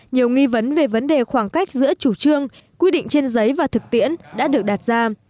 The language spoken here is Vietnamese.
nhiều nghi vấn về vấn đề khoảng cách giữa chủ trương quy định trên giấy và thực tiễn đã được đặt ra